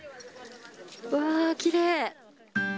うわー、きれい。